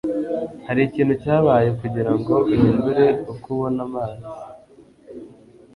hari ikintu cyabaye kugirango uhindure uko ubona manzi